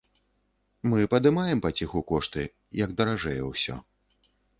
Мы падымаем паціху кошты, як даражэе ўсё.